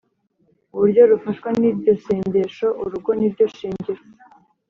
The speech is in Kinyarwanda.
uburyo rufashwa n’iryo sengesho: “urugo niryo shingiro